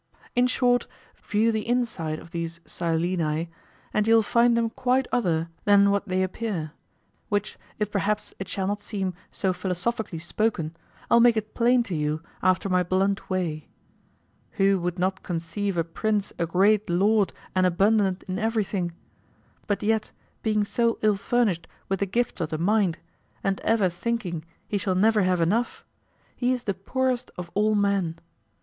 In short, view the inside of these Sileni, and you'll find them quite other than what they appear; which, if perhaps it shall not seem so philosophically spoken, I'll make it plain to you "after my blunt way." Who would not conceive a prince a great lord and abundant in everything? But yet being so ill furnished with the gifts of the mind, and ever thinking he shall never have enough, he's the poorest of all men.